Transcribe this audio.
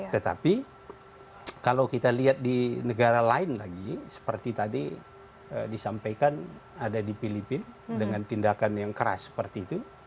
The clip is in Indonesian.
tetapi kalau kita lihat di negara lain lagi seperti tadi disampaikan ada di filipina dengan tindakan yang keras seperti itu